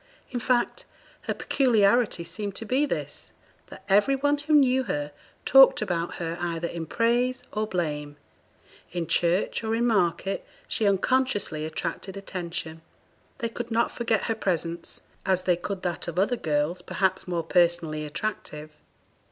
In fact, her peculiarity seemed to be this that every one who knew her talked about her either in praise or blame; in church, or in market, she unconsciously attracted attention; they could not forget her presence, as they could that of other girls perhaps more personally attractive.